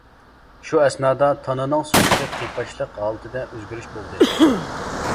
شۇ ئەسنادا تانىنىڭ سۇدىكى قىيپاشلىق ھالىتىدە ئۆزگىرىش بولدى.